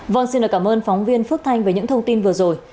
vâng xin cảm ơn phóng viên phước thanh về những thông tin vừa rồi